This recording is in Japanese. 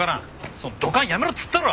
そのドカンやめろっつったろ！